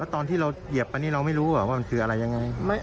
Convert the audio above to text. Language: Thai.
ตอนที่เราเหยียบอันนี้เราไม่รู้ว่ามันคืออะไรยังไง